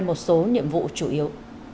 một số nhiệm vụ chủ yếu